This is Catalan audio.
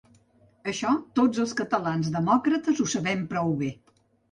Això tots els catalans demòcrates ho sabem prou bé.